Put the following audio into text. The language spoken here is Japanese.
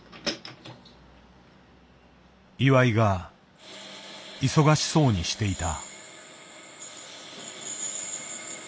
岩井が忙しそうにしていた。